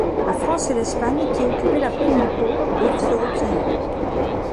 La France et l’Espagne, qui occupaient la plaine du Pô, doivent se replier.